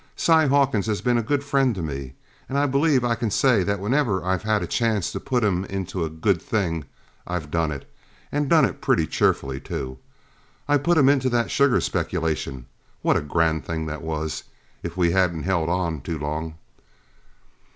Si Hawkins has been a good friend to me, and I believe I can say that whenever I've had a chance to put him into a good thing I've done it, and done it pretty cheerfully, too. I put him into that sugar speculation what a grand thing that was, if we hadn't held on too long!"